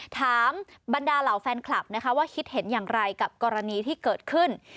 ถามบรรดาเหล่าแฟนคลับนะคะว่าคิดเห็นอย่างไรกับกรณีที่เกิดขึ้น